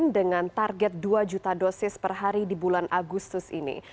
dengan target dua juta dosis per hari di bulan agustus ini